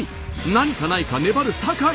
何かないか粘る坂井。